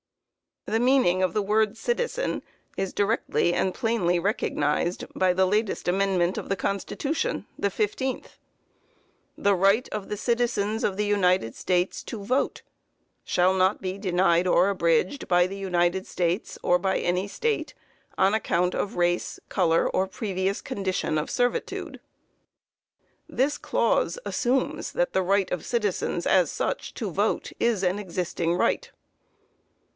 The meaning of the word "citizen" is directly and plainly recognized by the latest amendment of the constitution (the fifteenth.) "The right of the citizens of the United States to vote shall not be denied or abridged by the United States, or by any State, on account of race, color, or previous condition of servitude." This clause assumes that the right of citizens, as such, to vote, is an existing right.